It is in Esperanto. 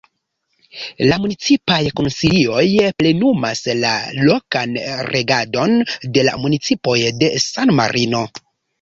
La Municipaj Konsilioj plenumas la lokan regadon de la municipoj de San-Marino.